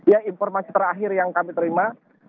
ya informasi terakhir yang kami terima